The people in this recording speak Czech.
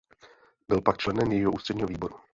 Byl pak členem jejího ústředního výboru.